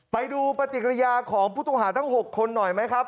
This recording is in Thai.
ไปดูปฏิกิริยาของผู้ต้องหาทั้ง๖คนหน่อยไหมครับ